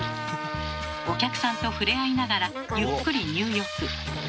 お客さんとふれあいながらゆっくり入浴。